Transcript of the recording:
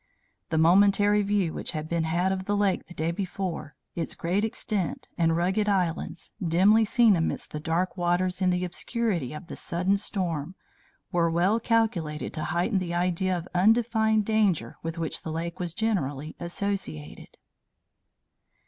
The momentary view which had been had of the lake the day before, its great extent and rugged islands, dimly seen amidst the dark waters in the obscurity of the sudden storm, were well calculated to heighten the idea of undefined danger with which the lake was generally associated."